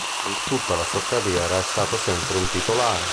In tutta la sua carriera è stato sempre un titolare.